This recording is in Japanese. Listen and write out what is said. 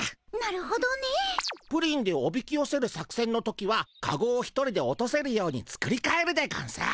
プリンでおびきよせる作せんの時はカゴを一人で落とせるように作りかえるでゴンス。